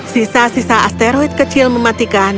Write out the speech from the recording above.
sisa sisa asteroid kecil mematikan